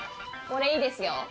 これいいですよ。